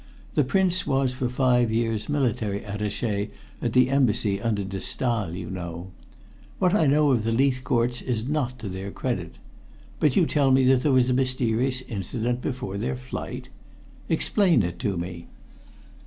The Prince was for five years military attaché at the Embassy under de Staal, you know. What I know of the Leithcourts is not to their credit. But you tell me that there was a mysterious incident before their flight. Explain it to me."